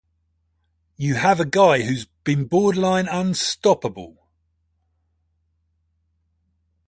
You have a guy who's been borderline unstoppable.